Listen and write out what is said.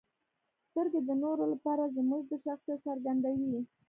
• سترګې د نورو لپاره زموږ د شخصیت څرګندوي.